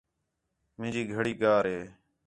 مینجی گھڑی گار ہے